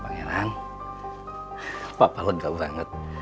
pangeran papa lega banget